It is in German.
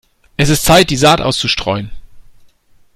Es ist Zeit, die Saat auszustreuen.